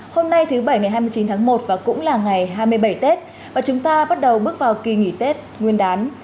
hôm nay thứ bảy ngày hai mươi chín tháng một và cũng là ngày hai mươi bảy tết và chúng ta bắt đầu bước vào kỳ nghỉ tết nguyên đán